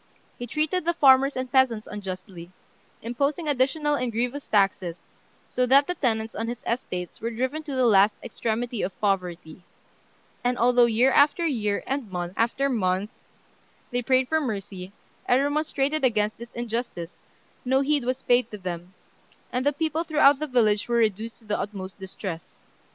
He treated the farmers and peasants unjustly, imposing additional and grievous taxes, so that the tenants on his estates were driven to the last extremity of poverty; and although year after year, and month after month, they prayed for mercy, and remonstrated against this injustice, no heed was paid to them, and the people throughout the villages were reduced to the utmost distress.